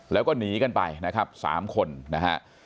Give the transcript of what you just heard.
แล้วก็หนีกันไปนะครับ๓คนนะฮะ